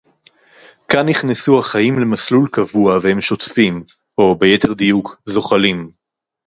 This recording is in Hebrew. כָּאן נִכְנְסוּ הַחַיִּים לְמַסְלוּל קָבוּעַ וְהֵם שׁוֹטְפִים, אוֹ, בְּיֶתֶר דִּיּוּק, זוֹחֲלִים.